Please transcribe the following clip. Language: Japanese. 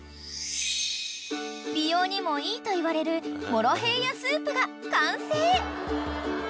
［美容にもいいといわれるモロヘイヤスープが完成］